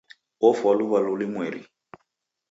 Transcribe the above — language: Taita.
Ofwa luw'aru lumweri.